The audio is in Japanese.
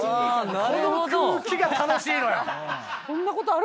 この空気が楽しいのよ！